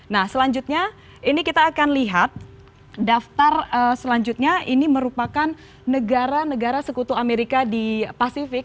nah selanjutnya ini kita akan lihat daftar selanjutnya ini merupakan negara negara sekutu amerika di pasifik